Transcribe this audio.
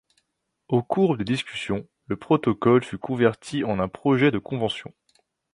Au cours des discussions, le protocole fut converti en un projet de convention.